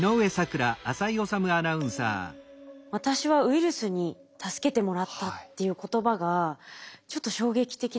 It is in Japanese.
「私はウイルスに助けてもらった」っていう言葉がちょっと衝撃的でしたね。